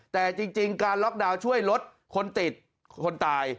แต่จริงการล็อกดาวน์ช่วยลดคนติดคนตาย